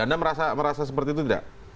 anda merasa seperti itu tidak